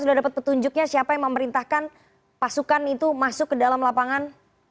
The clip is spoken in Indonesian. sudah dapat petunjuknya siapa yang memerintahkan pasukan itu masuk ke dalam lapangan